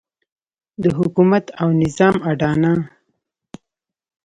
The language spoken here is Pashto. د حکومت او نظام اډانه.